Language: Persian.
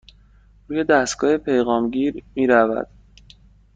روی دستگاه پیغام گیر می رود.